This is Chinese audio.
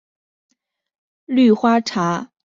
绿花茶藨子为虎耳草科茶藨子属下的一个种。